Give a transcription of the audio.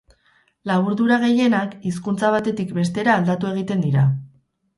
Laburdura gehienak, hizkuntza batetik bestera aldatu egiten dira.